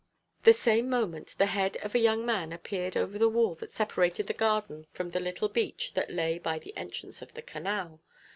The same moment the head of a young man appeared over the wall that separated the garden from the little beach that lay by the entrance of the canal.